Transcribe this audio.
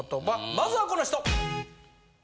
まずはこの人！